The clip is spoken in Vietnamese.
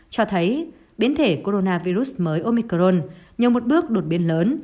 cho thấy biến thể coronavirus mới omicrone nhờ một bước đột biến lớn